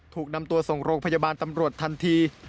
ถูกนำตัวส่งโรงพยาบาลตำรวจทันที